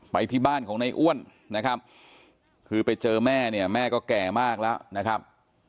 ไปที่บ้านของในอ้วนนะครับคือไปเจอแม่เนี่ยแม่ก็แก่มากแล้วนะครับ